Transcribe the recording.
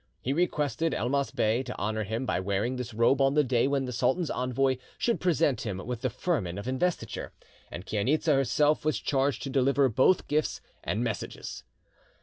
He requested Elmas Bey to honour him by wearing this robe on the day when the sultan's envoy should present him with the firman of investiture, and Chainitza herself was charged to deliver both gifts and messages.